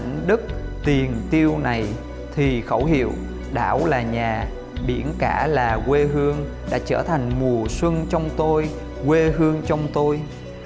những đức tiền tiêu này thì khẩu hiệu đảo là nhà biển cả là quê hương đã trở thành mùa xuân trong tôi quê hương trong tôi